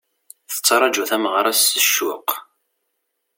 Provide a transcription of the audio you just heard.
Tettraǧu tameɣra-s s ccuq.